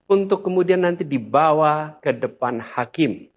untuk kemudian nanti dibawa ke depan hakim